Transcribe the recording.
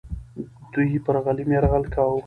دوی پر غلیم یرغل کاوه.